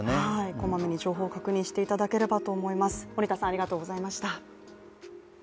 こまめに情報を確認していただければと思います。